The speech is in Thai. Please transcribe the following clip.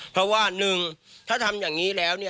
เพราะว่า๑ถ้าทำอย่างนี้แล้ว